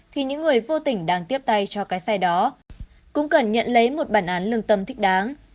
thì những người vô tình đang tiếp tay cho cái xe đó cũng cần nhận lấy một bản án lương tâm thích đáng